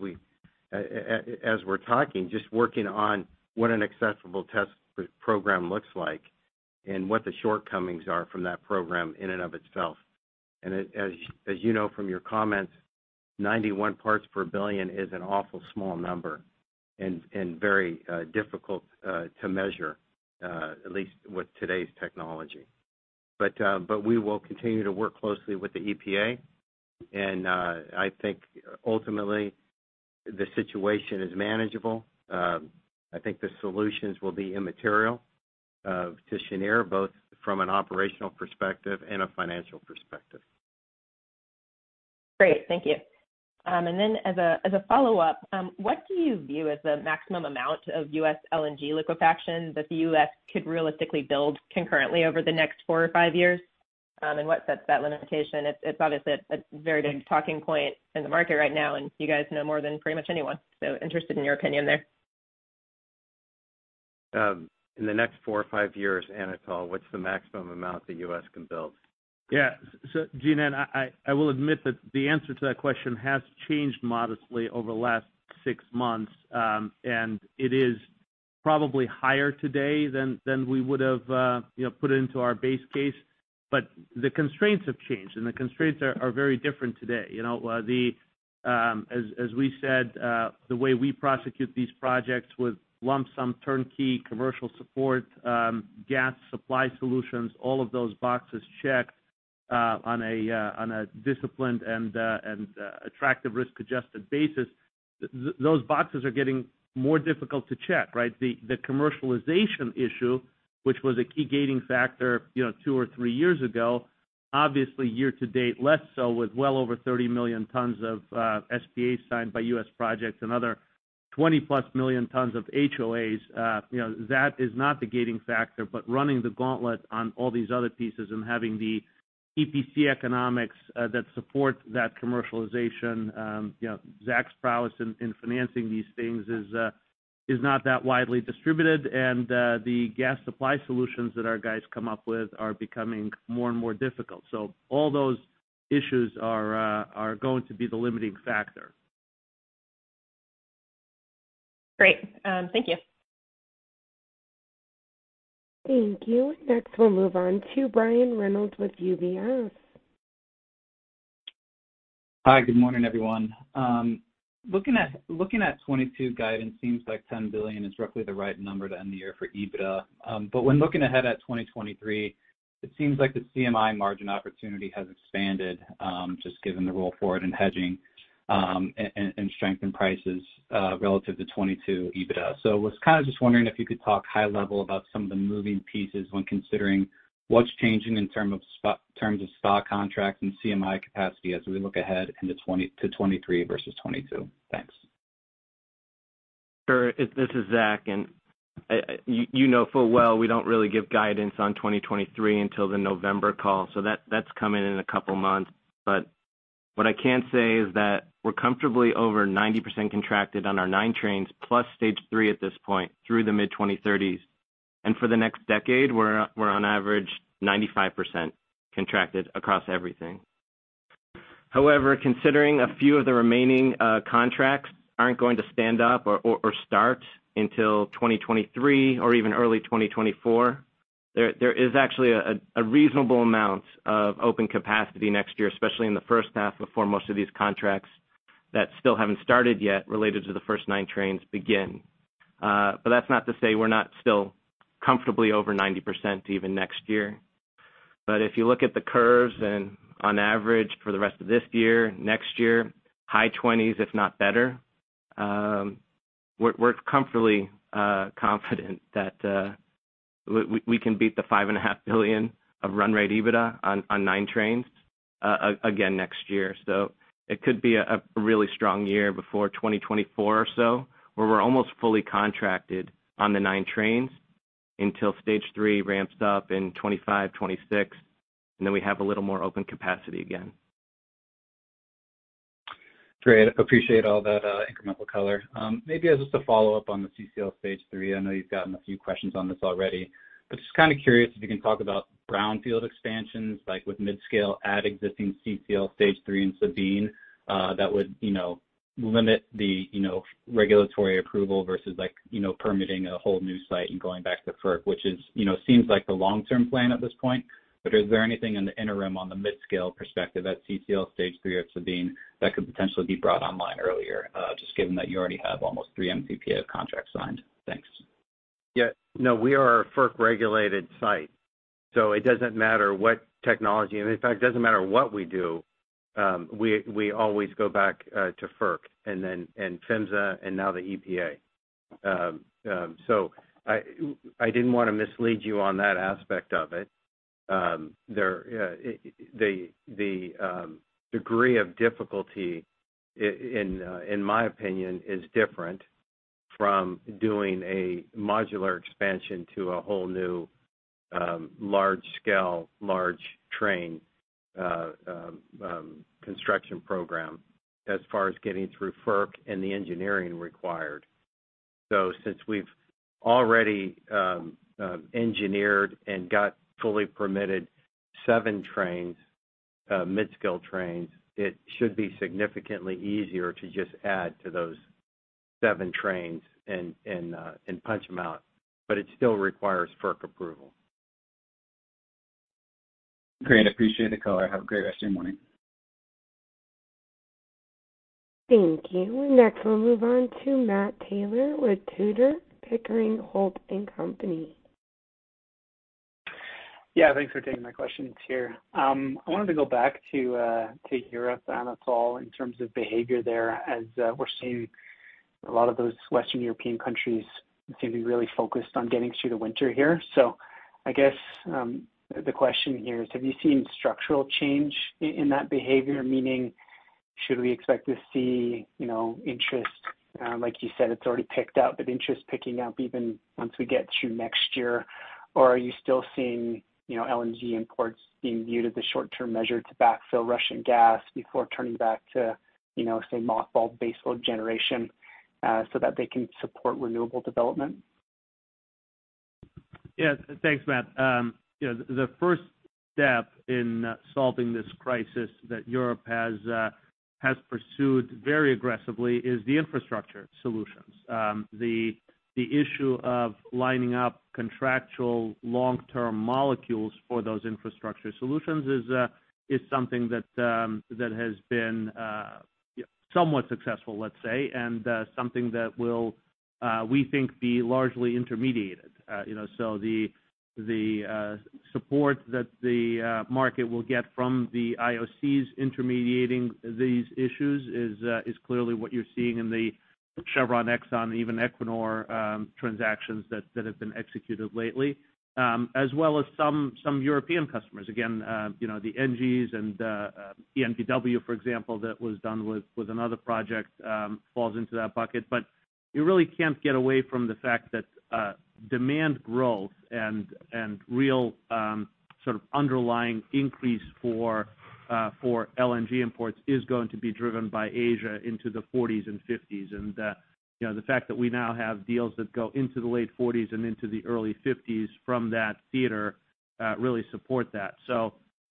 as we're talking, just working on what an acceptable test program looks like and what the shortcomings are from that program in and of itself. As you know from your comments, 91 parts per billion is an awful small number and very difficult to measure at least with today's technology. We will continue to work closely with the EPA, and I think ultimately the situation is manageable. I think the solutions will be immaterial to Cheniere, both from an operational perspective and a financial perspective. Great. Thank you. As a follow-up, what do you view as the maximum amount of U.S. LNG liquefaction that the U.S. could realistically build concurrently over the next four or five years? What sets that limitation? It's obviously a very big talking point in the market right now, and you guys know more than pretty much anyone, so interested in your opinion there. In the next four or five years, Anatol, what's the maximum amount the U.S. can build? Yeah. Jean Ann, I will admit that the answer to that question has changed modestly over the last six months. It is probably higher today than we would've, you know, put into our base case. The constraints have changed, and the constraints are very different today. You know, as we said, the way we prosecute these projects with lump sum turnkey commercial support, gas supply solutions, all of those boxes checked, on a disciplined and attractive risk-adjusted basis. Those boxes are getting more difficult to check, right? The commercialization issue, which was a key gating factor, you know, two or three years ago, obviously year to date, less so with well over 30 million tons of SPAs signed by U.S. projects, another 20+ million tons of HOAs. You know, that is not the gating factor, but running the gauntlet on all these other pieces and having the EPC economics that support that commercialization, you know, Zach's prowess in financing these things is not that widely distributed. The gas supply solutions that our guys come up with are becoming more and more difficult. All those issues are going to be the limiting factor. Great. Thank you. Thank you. Next, we'll move on to Brian Reynolds with UBS. Hi, good morning, everyone. Looking at 2022 guidance seems like $10 billion is roughly the right number to end the year for EBITDA. But when looking ahead at 2023, it seems like the CMI margin opportunity has expanded, just given the roll forward and hedging, and strength in prices, relative to 2022 EBITDA. Was kind of just wondering if you could talk high level about some of the moving pieces when considering what's changing in terms of SPA contracts and CMI capacity as we look ahead into 2023 versus 2022. Thanks. Sure. This is Zach. You know full well we don't really give guidance on 2023 until the November call, so that's coming in a couple months. What I can say is that we're comfortably over 90% contracted on our nine trains, plus Stage 3 at this point through the mid-2030s. For the next decade, we're on average 95% contracted across everything. However, considering a few of the remaining contracts aren't going to stand up or start until 2023 or even early 2024, there is actually a reasonable amount of open capacity next year, especially in the first half before most of these contracts that still haven't started yet related to the first nine trains begin. That's not to say we're not still comfortably over 90% even next year. If you look at the curves and on average for the rest of this year, next year, high 20s, if not better, we're comfortably confident that we can beat the $5.5 billion of run rate EBITDA on nine trains again next year. So it could be a really strong year before 2024 or so, where we're almost fully contracted on the nine trains until Stage 3 ramps up in 2025, 2026, and then we have a little more open capacity again. Great. Appreciate all that, incremental color. Maybe as just a follow-up on the CCL Stage 3. I know you've gotten a few questions on this already. Just kind of curious if you can talk about brownfield expansions like with mid-scale at existing CCL Stage 3 in Sabine, that would, you know, limit the, you know, regulatory approval versus like, you know, permitting a whole new site and going back to FERC, which is, you know, seems like the long-term plan at this point. Is there anything in the interim on the mid-scale perspective at CCL Stage 3 at Sabine that could potentially be brought online earlier, just given that you already have almost three MTPA of contracts signed? Thanks. Yeah. No, we are a FERC-regulated site, so it doesn't matter what technology. In fact, it doesn't matter what we do. We always go back to FERC and then to PHMSA and now the EPA. I didn't wanna mislead you on that aspect of it. The degree of difficulty, in my opinion, is different from doing a modular expansion to a whole new large-scale, large train construction program as far as getting through FERC and the engineering required. Since we've already engineered and got fully permitted seven trains, mid-scale trains, it should be significantly easier to just add to those seven trains and punch them out. But it still requires FERC approval. Great. Appreciate the call. Have a great rest of your morning. Thank you. Next, we'll move on to Matt Taylor with Tudor, Pickering, Holt & Company. Yeah, thanks for taking my questions here. I wanted to go back to Europe, Anatol, in terms of behavior there, as we're seeing a lot of those Western European countries seem to be really focused on getting through the winter here. I guess the question here is, have you seen structural change in that behavior? Meaning should we expect to see, you know, interest, like you said, it's already picked up, but interest picking up even once we get through next year? Or are you still seeing, you know, LNG imports being viewed as a short-term measure to backfill Russian gas before turning back to, you know, say, mothballed baseload generation, so that they can support renewable development? Yeah. Thanks, Matt. Yeah, the first step in solving this crisis that Europe has pursued very aggressively is the infrastructure solutions. The issue of lining up contractual long-term molecules for those infrastructure solutions is something that has been somewhat successful, let's say, and something that will, we think, be largely intermediated. You know, the support that the market will get from the IOCs intermediating these issues is clearly what you're seeing in the Chevron, Exxon, even Equinor transactions that have been executed lately, as well as some European customers. Again, you know, the NGs and EnBW, for example, that was done with another project falls into that bucket. You really can't get away from the fact that demand growth and real sort of underlying increase for LNG imports is going to be driven by Asia into the 40%s and 50%s. You know, the fact that we now have deals that go into the late 40%s and into the early 50%s from that theater really support that.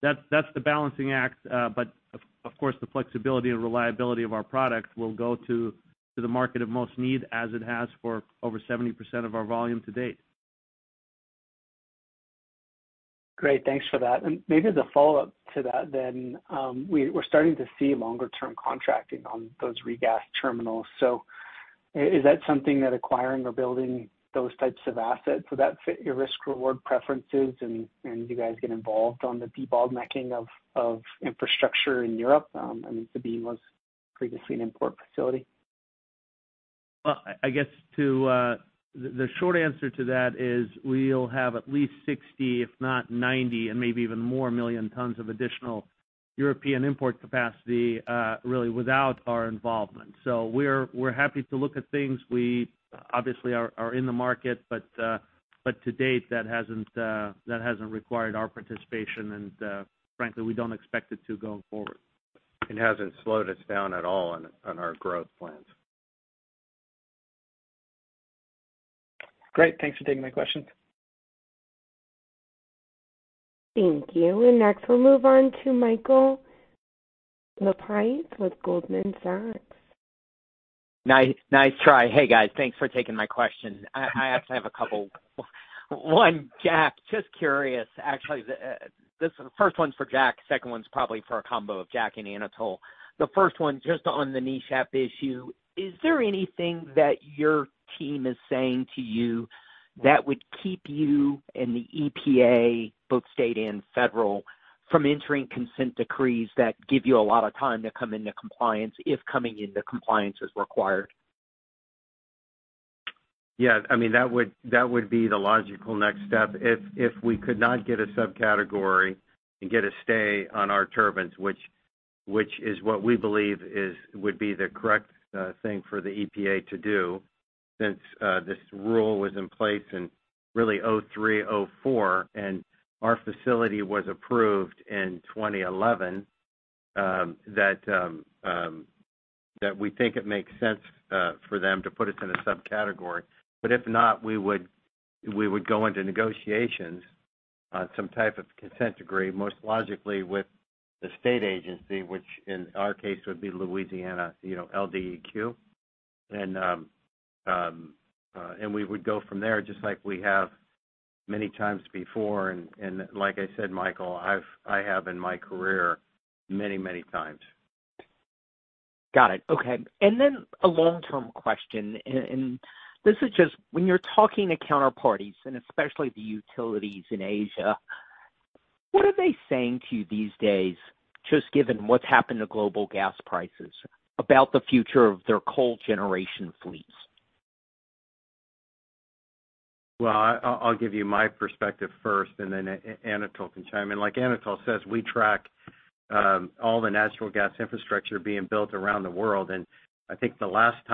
That's the balancing act. Of course, the flexibility and reliability of our products will go to the market of most need, as it has for over 70% of our volume to date. Great. Thanks for that. Maybe the follow-up to that then, we're starting to see longer-term contracting on those regas terminals. Is that something that acquiring or building those types of assets, would that fit your risk-reward preferences and you guys get involved on the debottlenecking of infrastructure in Europe? I mean, Sabine was previously an import facility. Well, I guess the short answer to that is we'll have at least 60%, if not 90% and maybe even more million tons of additional European import capacity, really without our involvement. We're happy to look at things. We obviously are in the market, but to date, that hasn't required our participation. Frankly, we don't expect it to going forward. It hasn't slowed us down at all on our growth plans. Great. Thanks for taking my questions. Thank you. Next we'll move on to Michael Lapides with Goldman Sachs. Nice try. Hey, guys. Thanks for taking my question. I actually have a couple. One, Jack, just curious. Actually, the first one's for Jack, second one's probably for a combo of Jack and Anatol. The first one just on the NESHAP issue. Is there anything that your team is saying to you that would keep you and the EPA, both state and federal, from entering consent decrees that give you a lot of time to come into compliance if coming into compliance is required? Yeah. I mean, that would be the logical next step. If we could not get a subcategory and get a stay on our turbines, which is what we believe would be the correct thing for the EPA to do, since this rule was in place in really 2003, 2004, and our facility was approved in 2011, that we think it makes sense for them to put us in a subcategory. If not, we would go into negotiations on some type of consent decree, most logically with the state agency, which in our case would be Louisiana, you know, LDEQ. We would go from there just like we have many times before. Like I said, Michael, I have in my career many times. Got it. Okay. A long-term question. This is just when you're talking to counterparties, and especially the utilities in Asia, what are they saying to you these days, just given what's happened to global gas prices about the future of their coal generation fleets? Well, I'll give you my perspective first, and then Anatol can chime in. Like Anatol says, we track all the natural gas infrastructure being built around the world. I think the last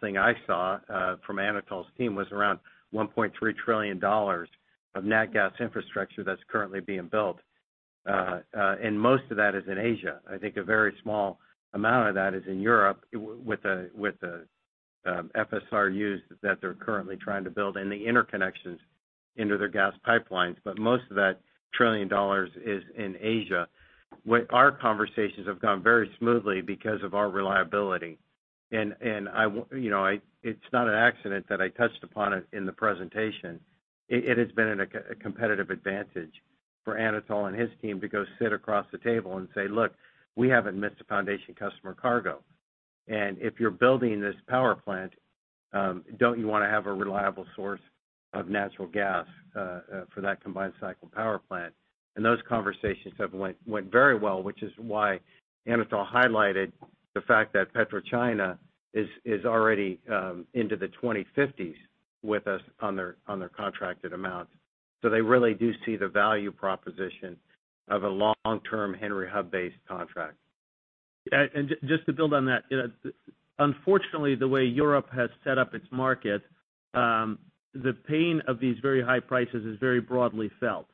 thing I saw from Anatol's team was around $1.3 trillion of nat gas infrastructure that's currently being built. Most of that is in Asia. I think a very small amount of that is in Europe with the FSRUs that they're currently trying to build and the interconnections into their gas pipelines. Most of that trillion dollars is in Asia. Our conversations have gone very smoothly because of our reliability. You know, it's not an accident that I touched upon it in the presentation. It has been a competitive advantage for Anatol and his team to go sit across the table and say, "Look, we haven't missed a foundation customer cargo. And if you're building this power plant, don't you wanna have a reliable source of natural gas for that combined cycle power plant?" Those conversations have went very well, which is why Anatol highlighted the fact that PetroChina is already into the 2050s with us on their contracted amounts. They really do see the value proposition of a long-term Henry Hub-based contract. Just to build on that. You know, unfortunately, the way Europe has set up its market, the pain of these very high prices is very broadly felt.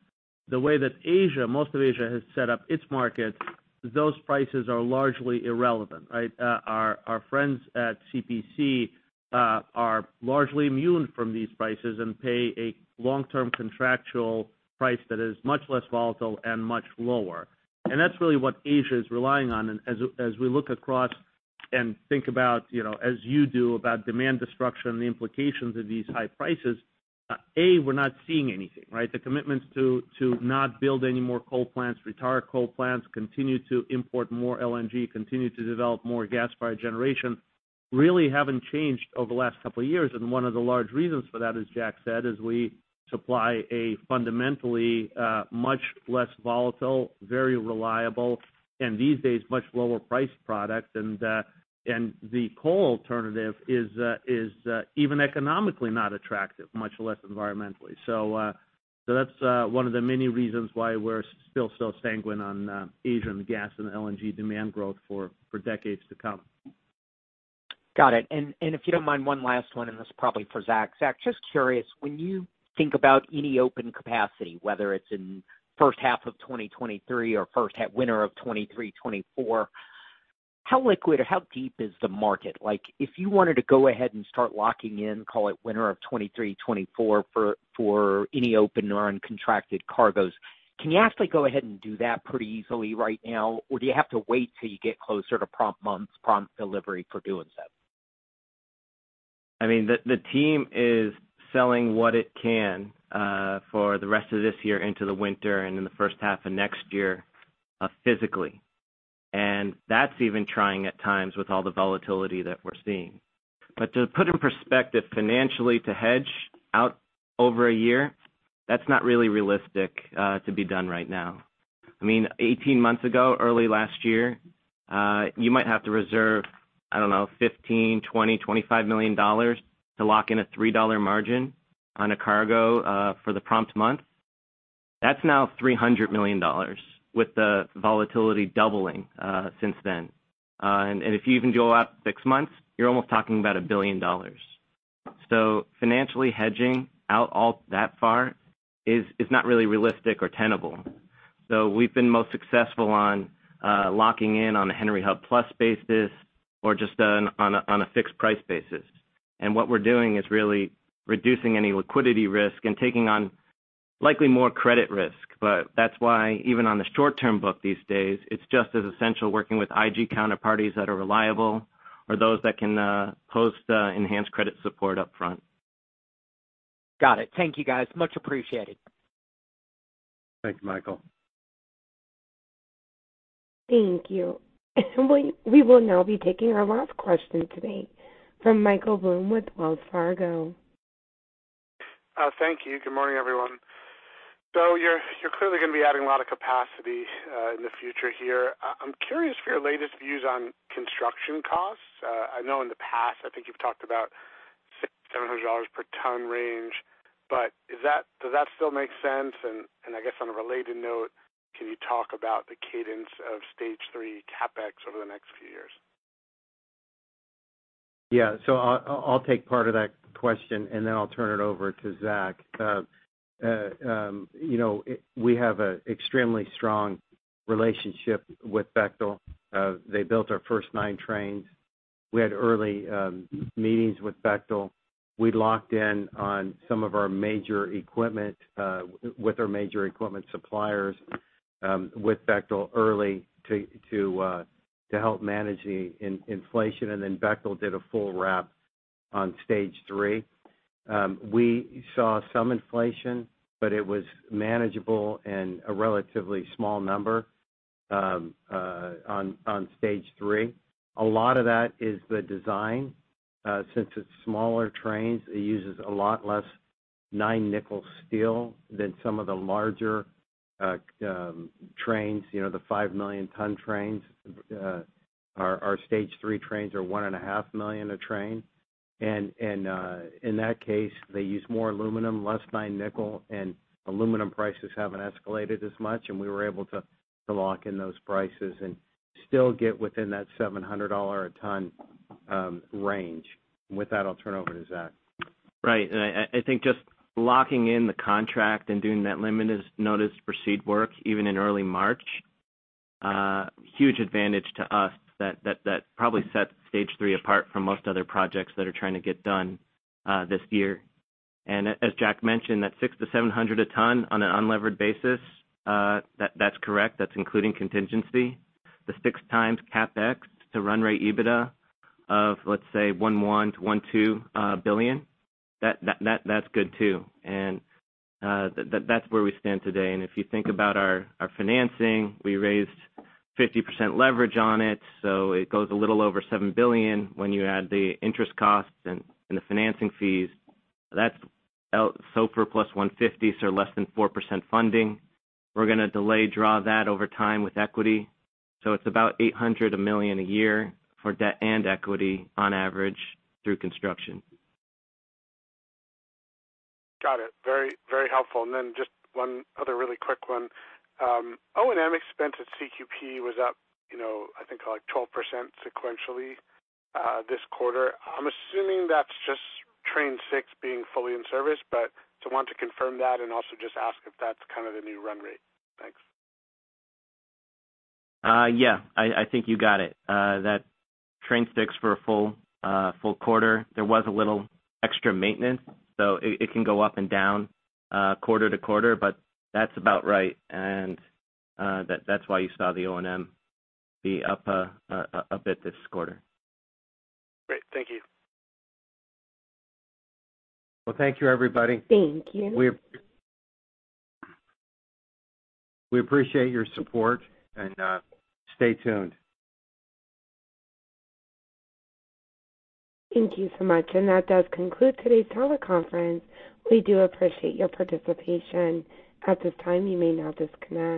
The way that Asia, most of Asia has set up its market, those prices are largely irrelevant, right? Our friends at CPC are largely immune from these prices and pay a long-term contractual price that is much less volatile and much lower. That's really what Asia is relying on. As we look across and think about, you know, as you do about demand destruction and the implications of these high prices, we're not seeing anything, right? The commitments to not build any more coal plants, retire coal plants, continue to import more LNG, continue to develop more gas-fired generation really haven't changed over the last couple of years. One of the large reasons for that, as Jack said, is we supply a fundamentally much less volatile, very reliable, and these days, much lower priced product. The coal alternative is even economically not attractive, much less environmentally. That's one of the many reasons why we're still so sanguine on Asian gas and LNG demand growth for decades to come. Got it. If you don't mind, one last one, this is probably for Zach. Zach, just curious, when you think about any open capacity, whether it's in first half of 2023 or winter of 2023, 2024, how liquid or how deep is the market? Like, if you wanted to go ahead and start locking in, call it winter of 2023, 2024 for any open or uncontracted cargoes, can you actually go ahead and do that pretty easily right now? Or do you have to wait till you get closer to prompt months, prompt delivery for doing so? I mean, the team is selling what it can for the rest of this year into the winter and in the first half of next year physically. That's even trying at times with all the volatility that we're seeing. To put in perspective financially to hedge out over a year, that's not really realistic to be done right now. I mean, 18 months ago, early last year, you might have to reserve, I don't know, $15 million, $20 million, $25 million to lock in a $3 margin on a cargo for the prompt month. That's now $300 million with the volatility doubling since then. And if you even go out six months, you're almost talking about $1 billion. Financially hedging out all that far is not really realistic or tenable. We've been most successful on locking in on a Henry Hub plus basis or just on a fixed price basis. What we're doing is really reducing any liquidity risk and taking on likely more credit risk. That's why even on the short-term book these days, it's just as essential working with IG counterparties that are reliable or those that can post enhanced credit support upfront. Got it. Thank you, guys. Much appreciated. Thanks, Michael. Thank you. We will now be taking our last question today from Michael Blum with Wells Fargo. Thank you. Good morning, everyone. You're clearly gonna be adding a lot of capacity in the future here. I'm curious for your latest views on construction costs. I know in the past, I think you've talked about $600-$700 per ton range. Does that still make sense? I guess on a related note, can you talk about the cadence of Stage 3 CapEx over the next few years? I'll take part of that question, and then I'll turn it over to Zach. You know, we have an extremely strong relationship with Bechtel. They built our first nine trains. We had early meetings with Bechtel. We locked in on some of our major equipment with our major equipment suppliers with Bechtel early to help manage the inflation. Bechtel did a full rep on Stage 3. We saw some inflation, but it was manageable and a relatively small number on Stage 3. A lot of that is the design. Since it's smaller trains, it uses a lot less 9% nickel steel than some of the larger trains, you know, the 5-million-ton trains. Our Stage 3 trains are 1.5 million a train. In that case, they use more aluminum, less 9% nickel, and aluminum prices haven't escalated as much, and we were able to to lock in those prices and still get within that $700 a ton range. With that, I'll turn it over to Zach. Right. I think just locking in the contract and doing that limited notice to proceed work even in early March, huge advantage to us that probably sets Stage 3 apart from most other projects that are trying to get done this year. As Jack mentioned, that $600-$700 a ton on an unlevered basis, that's correct. That's including contingency. The 6x CapEx to run rate EBITDA of, let's say, $1.1 billion-$1.2 billion. That's good too. And that's where we stand today. If you think about our financing, we raised 50% leverage on it, so it goes a little over $7 billion when you add the interest costs and the financing fees. That's SOFR plus 150, so less than 4% funding. We're gonna delayed draw that over time with equity. It's about $800 million a year for debt and equity on average through construction. Got it. Very, very helpful. Just one other really quick one. O&M expense at CQP was up, you know, I think like 12% sequentially, this quarter. I'm assuming that's just Train 6 being fully in service, but so wanted to confirm that and also just ask if that's kind of the new run rate. Thanks. Yeah. I think you got it. That Train 6 for a full quarter, there was a little extra maintenance, so it can go up and down quarter to quarter, but that's about right. That's why you saw the O&M be up at this quarter. Great. Thank you. Well, thank you, everybody. Thank you. We appreciate your support and stay tuned. Thank you so much. That does conclude today's teleconference. We do appreciate your participation. At this time, you may now disconnect.